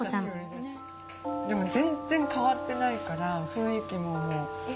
でも全然変わってないから雰囲気も。